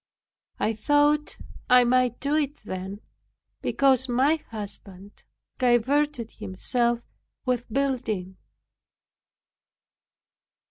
I thought I might do it then because my husband diverted himself with building.